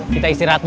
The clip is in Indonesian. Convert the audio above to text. kita istirahat dulu